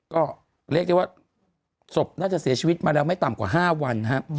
ก็เรียกได้ว่าศพน่าจะเสียชีวิตมาแล้วไม่ต่ำกว่า๕วันนะครับ